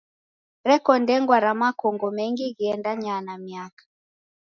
Reko ndengwa ra makongo mengi ghiendanyaa na miaka.